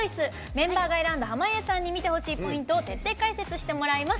メンバーが選んだ濱家さんに見てほしいポイントを徹底解説してもらいます。